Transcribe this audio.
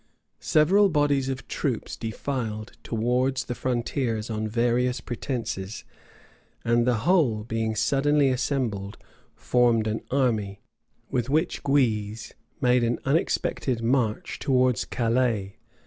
Several bodies of troops defiled towards the frontiers on various pretences; and the whole, being suddenly assembled, formed an army, with which Guise made an unexpected march towards Calais.